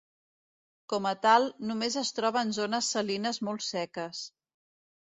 Com a tal, només es troba en zones salines molt seques.